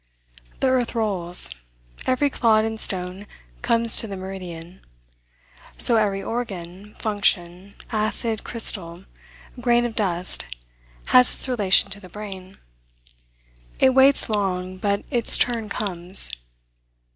The earth rolls; every clod and stone comes to the meridian; so every organ, function, acid, crystal, grain of dust, has its relation to the brain. It waits long, but its turn comes.